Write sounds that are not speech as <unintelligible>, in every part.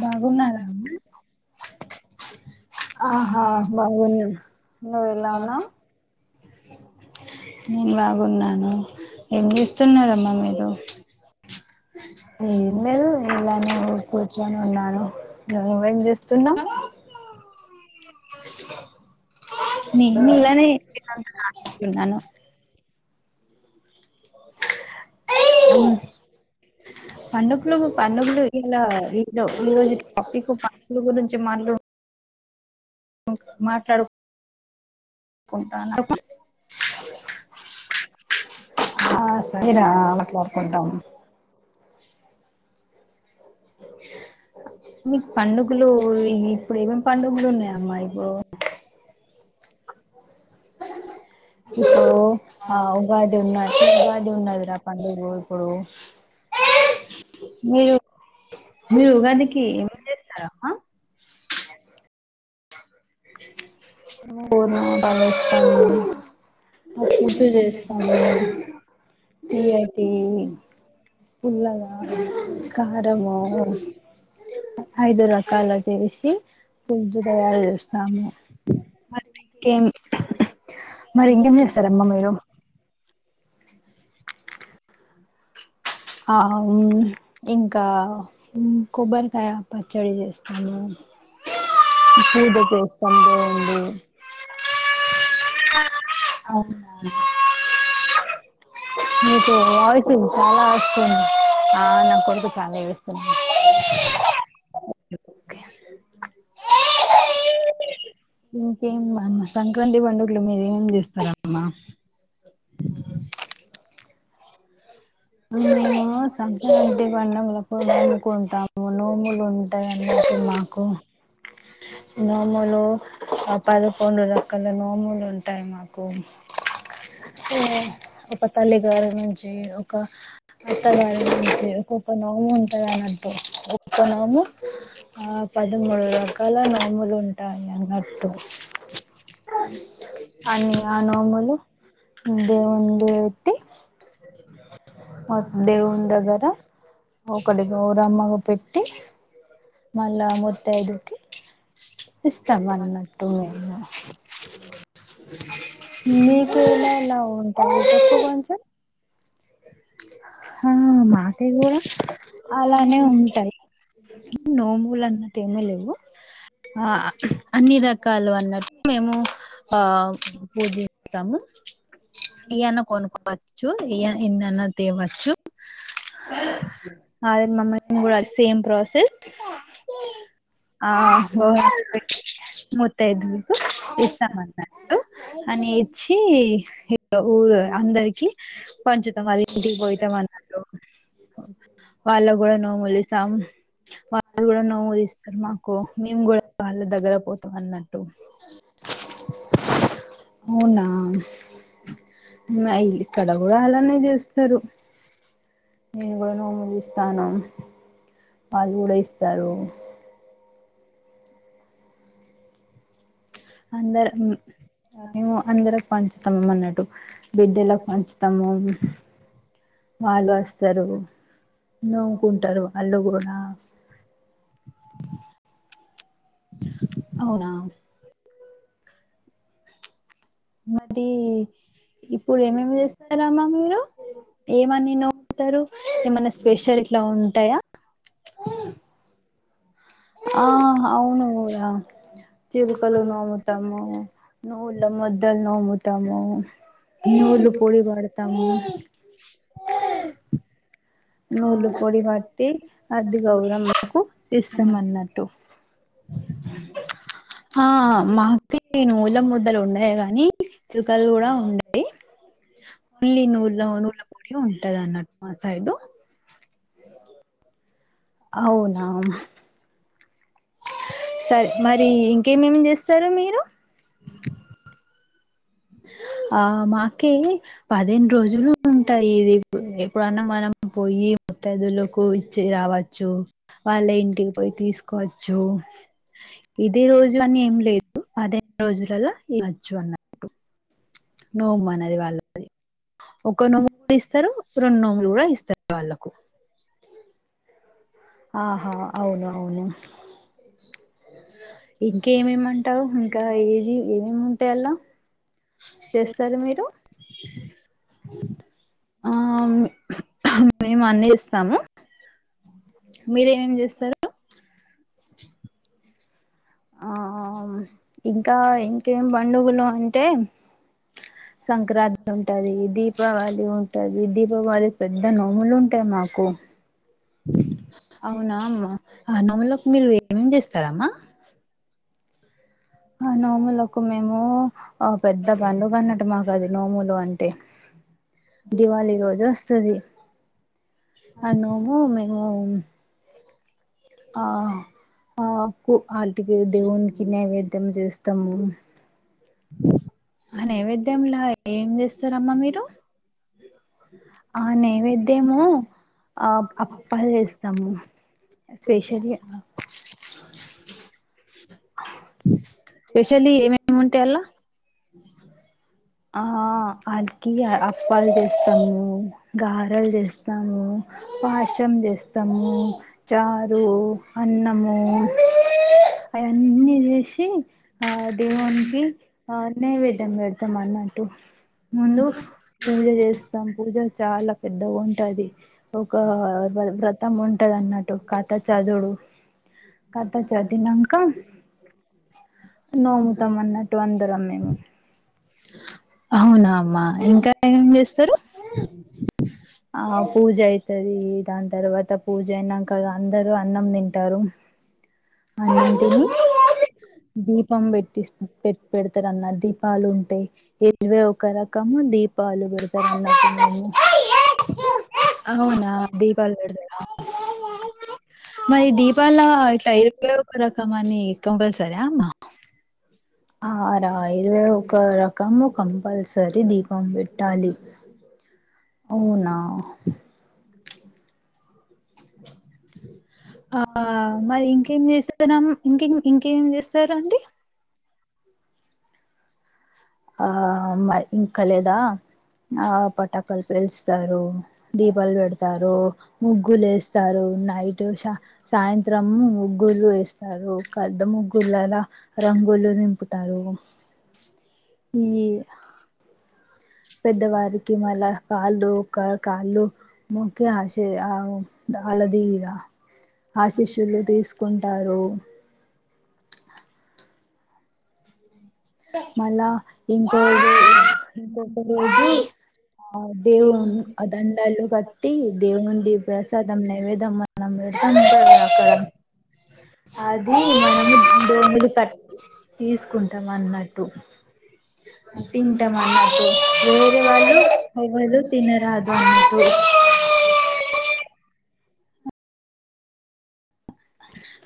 బాగున్నారా అండీ ఆహా బాగున్నాను నువ్ ఎలావున్నావ్ నేను బాగున్నాను ఏం చేస్తున్నరమ్మా మీరు ఉం కూర్చొని ఉన్నాను మ్వేం చేస్తున్నాం నేను ఇలానేన్నాను పండుగలో పండుగలు ఇలా ఈ ఈ రోజు టాపిక్ పండుగల గురించి మాట్లు మాట్లాడు ఆ సరనా అళ్కు వడుకుంటాం మీకు పన్నడుగలు ఈ ఇప్పుడు ఏవీ పండుగలున్నాయమ్మా ఇప్పుడు ఇప్పుడు ఆ ఉగాది ఉన్న ఉగాది ఉన్నదిరా పండుగ ఇప్పుడు మీ మీరుఉగాదికిఎమ చేస్తార హ పర్మాట వేస్తాము ఆ పట్ చేస్తాము తీయటి పుల్లగా కారము ఐదు రకాల చేసి కామే ఇంకేమీ మరి ఇంకేం చేస్తారమ్మా మీరు ఆవు ఇంకా కొబ్బరికాయ పచ్చడి చేస్తాము అఓ మీకు వాయిసు చాలా వస్తుంది ఆ నా కొడుకు చాలా వస్తున్నా ఇంకేంమ్ సంక్రాంతి పండుగలు మీరు ఏమేం చేస్తార అమ్మా మేము సంక్రాంతి పండుగలో కొంత నోములు ఉంటాయి అన్నట్టు మాకు నోములు పదకొండుల ఒకళ నోములు ఉంటాయి మా ఒక తల్లి గారు నుంచి అత్తగారి ఇంటి <inaudible> నోము ఉంటద అన్నట్టు ఇప్పుడు నోము ఆ పదమూడు రకాల నోములు ఉంటాయి అన్నట్టు అని ఆ నోములు ముందే <unintelligible> <unintelligible> దేవుని దగ్గర ఒకటి గౌరమ్మగా పెట్టి మళ్ళా మొత్తైదుకి ఇస్తాం అన్నట్టు మేము మీకు ఎలా ఎలా ఉంటాయి చెప్పు కొంచం మా సైడ్ కూడా అలానే ఉంటాయి నోముూలు అన్నట్ ఏమీ లేవు ఆ అన్ని రకాలు అన్నట్టు మేము ఆ పూజి త్తము ఇయన్న కొనుకోవచ్చు ఇ ఇన్నన్న తీవ ష్ ఆ <unintelligible> మేము గుడా అదే సేమ్ ప్రాసెస్ ఆ <inaudible> మూతైదువుకు ఇస్తామన్నట్టు అని ఇచ్చి ఎ ఊరు అందరికి పంచుతాం అది ఇంటికి పోయతాం అన్ రు వాళ్ళ కూడా నోములిస్తాం వాళ్ళు కూడా నోములిస్తారు మాకు మేము కూడా వాళ్ళ దగ్గర పోతాం అన్నట్టు అవునా మ్యా ఇక్కడ కూడా అలానే చేస్ తరు నేను కూడా నోములిస్తాను వాళ్ళు గుడా ఇస్తారు మేము అందరికి పంచుతామం అన్నట్టు బిడ్డలకు పంచుతాము వాళ్ళు వస్తారు నోముకుంటారు వాళ్ళు కూడా అవునా మరి ఇప్పుడు ఏమేమి చేస్తార అమ్మా మీరు ఏమని నోముతారు ఏమన్నా స్పెషల్ ఇట్లా ఉంటాయా ఆ అవును దా <inaudible> తిరుకలు నిముతాము నువ్వులు ము ముతాము నూలు పొడి పెడతాము నూలు పొడి పట్టి అద్ది గౌరమ్మకు ఇస్తాం అన్నట్టు ఆ మాకు నూల ముద్దలు ఉండయ గానీ చుక్కలు కూడా ఉండయి పిల్లి నూల నూళ్ల పొడి ఉంటది అన్నట్టు మా సైడ్ అవునా సరే మరి ఇంకేమేమి చేస్తారు మీరు ఆ మాకి పదిహేను రోజులు పదిహే ఎప్పుడన్న మనం పోయి ముత్తైదువులకు ఇచ్చి రావచ్చు వాళ్ళ ఇంటికి పోయి తీసుకోవచ్చు జో ఇదే రోజు అని ఏం లేదు అదే రోజులలా ఇవచ్చు అన్నారు కుట నోము అన్నది వాళ్ళ ఒక నోము ఇస్తారు రెండు నోములు కూడా ఇస్తారు వాళ్ళకు ఆహా అవును అవును ఇంకా ఏమేమింటావు ఇంకా ఏది ఏమేమి ఉంటాయ అలా చేస్తారు మీరు ఆ మేము అన్ని ఇస్తాము మీరేమేమి చేస్తారు ఆ ఇంకా ఇంకేం పండుగలు అంటే సంక్రాంతి ఉంటది, దీపావళి ఉంటది, దీపావళిక్ పెద్ద నోములు ఉంటయి మాకు. అవ్ను. ములక్ మీరు ఏమేం చేస్తు త రమ్మ ఆ నోములకు మేమ్ మూ ఆ పెద్ద పండుగ అన్నట్టు మాకది. నోములు అంటే? దివాళి రోజోస్తది, ఆ నోము మేము ఆ ఆకు ఆర్టీగే దేవునికి నైవేద్యం జెస్తాము. ఆ నైవేద్యంలా ఏం జేస్తరమ్మా మీరు? ఆ నైవేద్యమూ ఆప్ అప్పల్ జేస్తము. స్పెషల్లి ఏమేమ్ ఉంటయ్ అల్ల? <inaudible> ఆ అల్కియే అప్పాల్ జేస్తము, గారెల్ జేస్తాము. పాషం జేస్తము. చారు, అన్నము అయన్నీ జేసి, ఆ దేవునికి ఆ నైవేద్యం బెడుత్ మన్నట్టు. ముందు పూజ జేస్తాం, పూజ చాలా పెద్దగుంటది. ఒక వ్రతం ఉంటది అన్నట్ టు కథ చదువుడు. కథ చదివినంక నోముతాం అన్నట్టు, అందరం మేము అవునా అమ్మా, ఇంకా ఏమ్ జేస్తరు? ఆ పూజ అయితది. దాని తర్వాత పూజ అయినంక, అందరు అన్నం తింటరు. అన్నం తిని, దీపం బెట్టిస్తం. పెట్ పెడతరన్న దీపాలుంటయ్. ఇవే, ఒక రకమ్ము దీపాలు పెడుతరన్నట్టు మేము. అవునా! దీపాల్ పెడుతరా! మరి దీపాల్ల ఇట్ల <unintelligible> ఒక రకమని కంపల్సరా అమ్మ? ఆ ఆ రా ఇరవై ఒక రకం ఒక కం పల్సరి దీపంబెట్ టాలి అవునా ఆ మరి ఇంకేం చేస్తార్ ఇంక ఇంకేమి చేస్తారు అండి ఆ మ ఇంకాలేద్ దా ఆ పటకాల్ పెలుస్తారు దీపాలు పెడతారు ముగ్గులు ఏస్తారు నైట్ సాయంత్రము ముగ్గులు ఏస్తారు పెద్ద ముగ్గులలా రంగులు నింపుతారూ ఈ పెద్దవారికి మళ్ళా హలో కాళ్ళు మొకి ఆశి ఆ ఆల్లది ఆశిష్యులు తీసుకుంటారూ మళ్ళా ఇంకో ఇంకొక రోజు ఆ దేవున్ దండాలు కట్టి దేవు నుండి ప్రసాదం నైవేద్ సమయం మనం పెడ్తం కద అక్కడ అదీ మనము దొంగలు కట్ తీసుకుంటాం అన్నట్టు తింటాం అన్నట్టు వేరే వాళ్ళు ఎవ్వళూ తినరాదు అన్నట్టు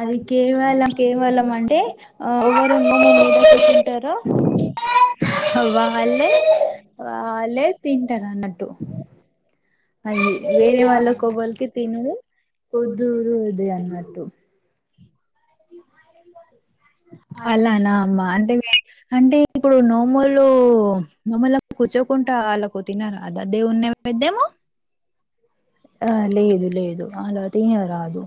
అది కేవలం కేవలం అంటే ఎవరు మమ్మ మీద కూర్చుంటరో వాళ్ళే వాళ్ళే తింటర్ అన్నట్టు అయ్యి వేరే వాళ్ళ కొవలికి తినరు కుద్దురుది అన్నట్టు అలానా అమ్మా అంటె అంటే ఇప్పుడు నోములూ నోములక్ కూర్చోకుంట వాళ్ళకు తినార అది దేవున్ నైవేద్దమూ ఆ లేదు లేదు ఆలా తీ వ రాదు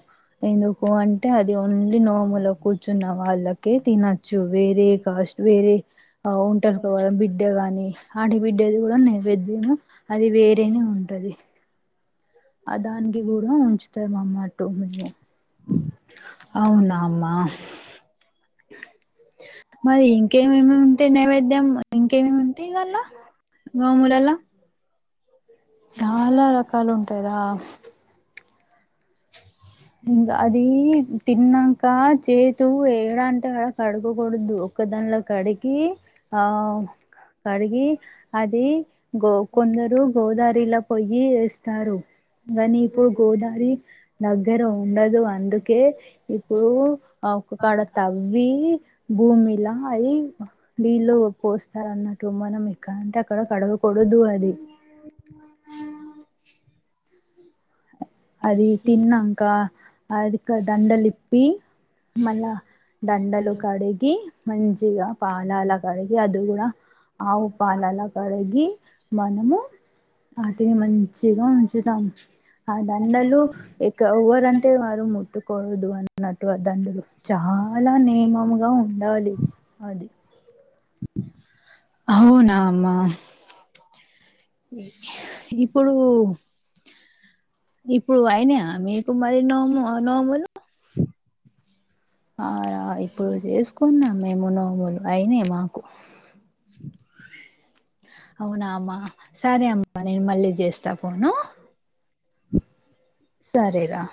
ఎందుకు అంటే అది ఓన్లీ నార్మ్ లొ కుచ్చ నవాలక్ కి తినచ్చు వేరే కాస్ట్ వేరే అవ్ ఉంటారు కావాల బిడ్డ గాని అడిబిడ్డది కూడా నైవేద్యము అది వేరేనే ఉంటది ఆ దానికి కూడా ఉంచుతామన్నట్టు మేము అవునా మా మరి ఇంకేం ఏమి ఏమి ఉంటాయి నైవేద్యం ఇంకేమీ ఏమి ఉంటాయి గాళ్ళ మా మూళ్లల చాలా రకాలు ఉంటాయిగా <inaudible> ఇంక అది తిన్నంకా చే తూ ఏడ అంటే ఆడ కడగకూడదు ఒక దానిలో కడిగి ఆ కడిగి అది గో కొందరు గోదారిల పోయి వేస్తారు కానీ ఇప్పుడు గోదారి దగ్ దగ్గర ఉండదు అందుకే ఇప్పుడు ఆ ఒక్క కాడ తవ్వి భూమిల అయి నీలో పోస్తారు అన్నట్లు మనం ఎక్కడ అంటే అక్కడ కడగకూడదు అది అ <inaudible> అది తిన్నాంకా అది ఇక్కడ దండలిప్పి మళ్ళా దండలు కడిగి మంచిగా పాలాల కడిగి అది కూడా ఆవు పాలాల కడిగి మనము వాటిని మంచిగా ఉంచుతాము ఆ దండలు ఎక్క ఎవరంటే వారు ముట్టుకూడదు అన్నట్టు దండలు చాలా నియమముగా ఉండాలి అది అవునా అమ్మ ఇప్పుడు ఇప్పుడు అయినాయ్యా మీకు మరి నోము నోములు ఆ ఇప్పుడు చేసుకున్నాం మేము నోములు అయినాయి మాకు అవునా అమ్మ సరే అమ్మ నీను మళ్ళీ చేస్తా ఫోన్ ను సరే రా